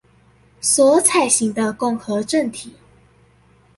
所採行的共和政體